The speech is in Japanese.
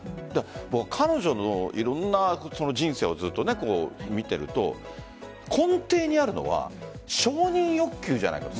彼女のいろんな人生をずっと見ていると根底にあるのは承認欲求じゃないかと。